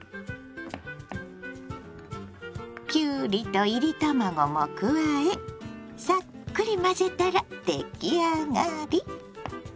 きゅうりといり卵も加えさっくり混ぜたら出来上がり。